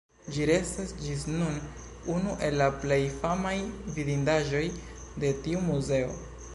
Ĝi restas ĝis nun unu el la plej famaj vidindaĵoj de tiu muzeo.